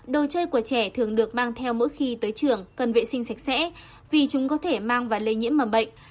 đồ chơi của trẻ thường được mang theo mỗi khi tới trường cần vệ sinh sạch sẽ vì chúng có thể mang và lây nhiễm mầm bệnh